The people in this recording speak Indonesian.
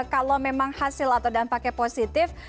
kalau memang hasil atau dampaknya positif